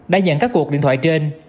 đã nhận các cuộc điện thoại trên